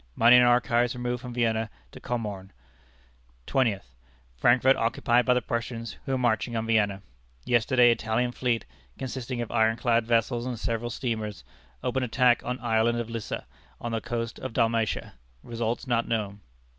Money and archives removed from Vienna to Comorn." "20th. Frankfort occupied by the Prussians, who are marching on Vienna. Yesterday, Italian fleet, consisting of iron clad vessels and several steamers, opened attack on Island of Lissa on the coast of Dalmatia result not known."